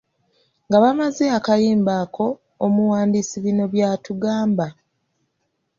Nga bamaze akayimba ako, omuwandiisi bino by’atugamba: